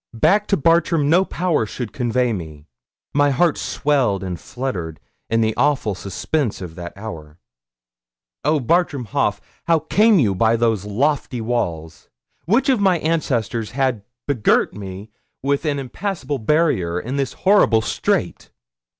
Back to Bartram no power should convey me. My heart swelled and fluttered in the awful suspense of that hour. Oh, Bartram Haugh! how came you by those lofty walls? Which of my ancestors had begirt me with an impassable barrier in this horrible strait?